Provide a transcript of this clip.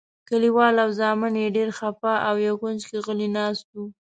کلیوال او زامن یې ډېر خپه او یو کونج کې غلي ناست وو.